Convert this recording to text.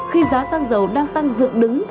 khi giá xăng dầu đang tăng dưỡng